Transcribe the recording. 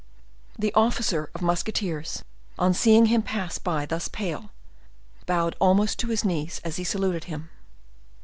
The officer of musketeers, on seeing him pass by thus pale, bowed almost to his knees as he saluted him.